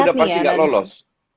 sudah pasti gak lolos